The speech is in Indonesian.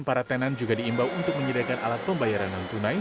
para tenan juga diimbau untuk menyediakan alat pembayaran non tunai